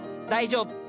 大丈夫。